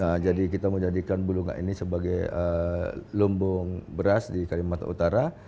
nah jadi kita menjadikan bulungan ini sebagai lumbung beras di kalimantan utara